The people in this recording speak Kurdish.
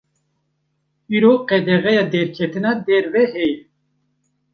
îro qedexeya derketina derve heye